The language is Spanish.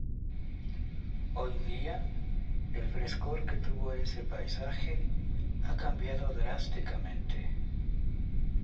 Hoy día el frescor que tuvo ese paisaje ha cambiado drásticamente.